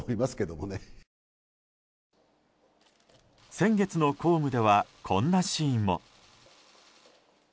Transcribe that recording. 先月の公務ではこんなシーンも。